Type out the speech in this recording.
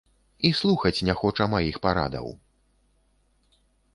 І слухаць не хоча маіх парадаў.